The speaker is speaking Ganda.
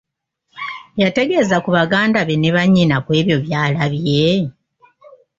Yategeezaako ku baganda be ne bannyina ku ebyo by’alabye!